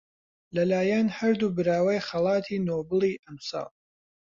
لەلایەن هەردوو براوەی خەڵاتی نۆبڵی ئەمساڵ